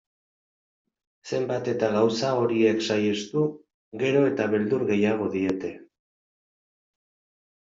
Zenbat eta gauza horiek saihestu, gero eta beldur gehiago diete.